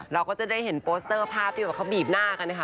เราก็จะได้เห็นโปสเตอร์ภาพที่แบบเขาบีบหน้ากันนะคะ